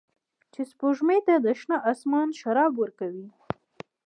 چې سپوږمۍ ته د شنه اسمان شراب ورکوي